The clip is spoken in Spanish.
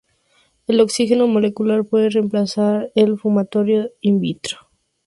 El oxígeno molecular puede reemplazar al fumarato "in vitro".